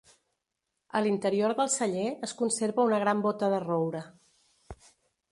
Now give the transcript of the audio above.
A l'interior del celler es conserva una gran bóta de roure.